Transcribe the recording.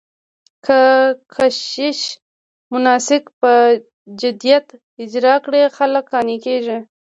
که کشیش مناسک په جديت اجرا کړي، خلک قانع کېږي.